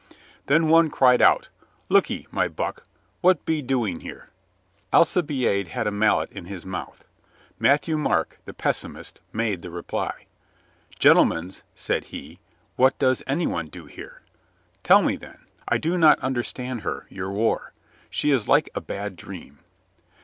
Then one cried out : "Look 'e, my buck, what be doing here ?" Alcibiade had a mallet in his mouth. Matthieu Marc, the pessimist, made the reply. "Gentlemans," said he, "what does any one do here ? Tell me, then. I do not understand her, your war. She is like a bad dream."